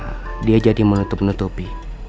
tapi sekarang dia jadi menutup menutupi